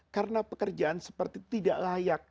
karena pekerjaan seperti itu tidak layak